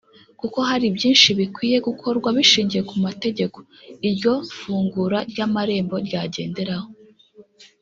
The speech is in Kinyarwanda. kuko hari byinshi bikwiye gukorwa bishingiye ku mategeko iryo fungura ry’amarembo ryagenderaho